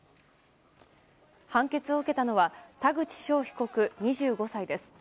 判決を受けたのは田口翔被告、２５歳です。